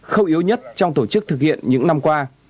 khâu yếu nhất trong tổ chức thực hiện những năm qua